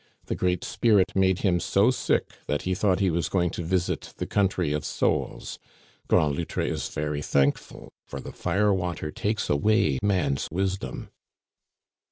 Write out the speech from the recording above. The Great Spirit made him so sick that he thought he was going to visit the country of souls. Grand Loutre is very thankful, for the fire water takes away man's wisdom."